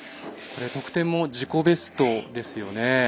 得点も自己ベストですよね。